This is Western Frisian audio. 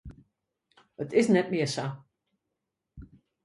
It is net mear sa.